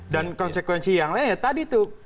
dan konsekuensi yang lainnya tadi tuh